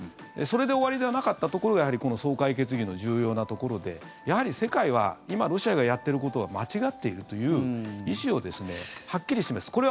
それで終わりではなかったところがこの総会決議の重要なところでやはり世界は今、ロシアがやってることは間違っているという意思をはっきり示す。